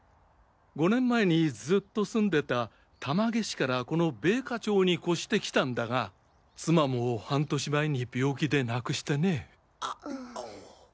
５年前にずっと住んでた玉毛市からこの米花町に越して来たんだが妻も半年前に病気で亡くしてね。